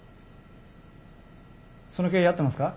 その経緯は合ってますか？